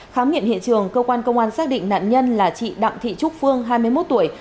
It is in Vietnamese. khám nghiệm hiện trường cơ quan công an xác định nạn nhân là chị đặng thị trúc phương hai mươi một tuổi